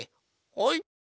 はい。